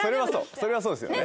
それはそうですよね。